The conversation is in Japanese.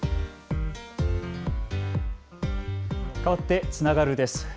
かわって、つながるです。